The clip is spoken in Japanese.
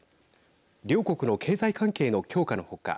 両国の経済関係の強化の他